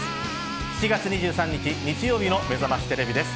７月２３日日曜日のめざましテレビです。